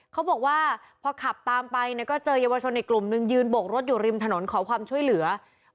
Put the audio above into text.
เขาบอกว่าพอขับตามไปเนี่ยก็เจอเยาวชนอีกกลุ่มนึงยืนโบกรถอยู่ริมถนนขอความช่วยเหลือ